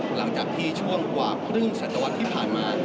หลังจากที่ช่วงกว่าครึ่งสัตวรรษที่ผ่านมา